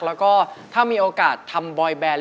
แล้วก็ถ้ามีโอกาสทำบอยแบน